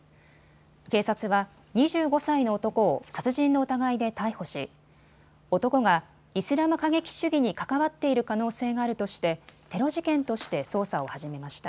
警察は２５歳の男を殺人の疑いで逮捕し、男がイスラム過激主義に関わっている可能性があるとしてテロ事件として捜査を始めました。